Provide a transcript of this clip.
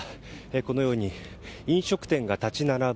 このように飲食店が立ち並ぶ